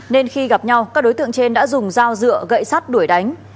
nên khi gặp nhau các đối tượng trên đã dùng dao dựa gậy sắt đuổi đánh